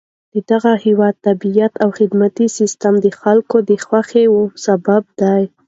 دغه هېواد طبیعت او خدماتي سیستم د خلکو د خوښۍ سبب دی.